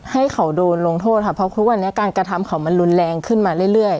ให้เขาโดนลงโทษค่ะเพราะทุกวันนี้การกระทำเขามันรุนแรงขึ้นมาเรื่อย